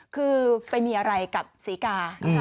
คือไปมีอะไรกับศรีกา